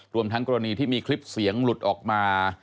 รวมทั้งกรณีที่มีคลิปเสียงหลุดออกมา